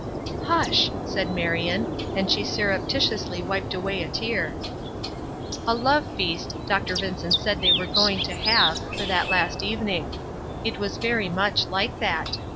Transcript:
"Hush!" said Marion, and she surreptitiously wiped away a tear. "A love feast," Dr. Vincent said they were going to have, for that last evening; it was very much like that.